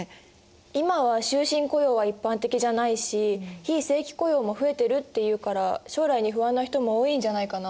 今は終身雇用は一般的じゃないし非正規雇用も増えてるっていうから将来に不安な人も多いんじゃないかな？